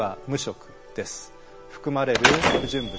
含まれる不純物